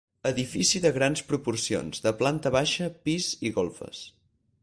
Edifici de grans proporcions, de planta baixa, pis i golfes.